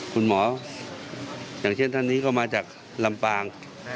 คุณหมออย่างเช่นท่านนี้ก็มาจากลำปาง